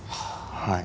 はい。